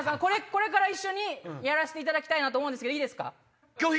これからやらせていただきたいと思うんですけどいいですか？